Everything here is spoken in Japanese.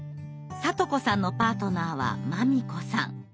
さと子さんのパートナーはまみこさん。